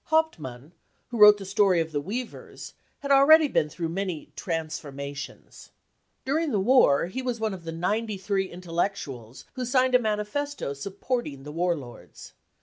Hauptmann, who wrote the story of the weavers, had already been through many fic transformations." During the war he was THE CAMPAIGN AGAINST CULTURE 177 ! one of the 93 intellectuals who signed a manifesto sup porting the war lords.